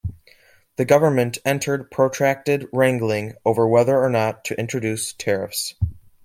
The government entered protracted wrangling over whether or not to introduce tariffs.